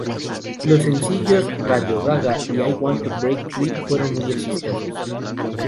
Los sencillos "Radio Ga Ga" y "I Want to Break Free" fueron muy exitosos.